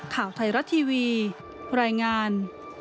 ข่าวไทยรัฐทีวีรายงาน